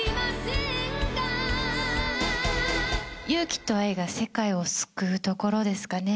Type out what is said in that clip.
勇気と愛が世界を救うところですかね。